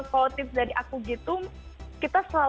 hal ini kaya rutin benteng kan pasa pakaiannya